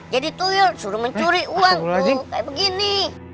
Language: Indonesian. jadi tuyul suruh mencuri uang tuh kayak begini